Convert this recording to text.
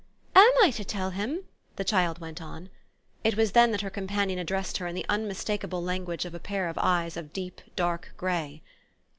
"AM I to tell him?" the child went on. It was then that her companion addressed her in the unmistakeable language of a pair of eyes of deep dark grey.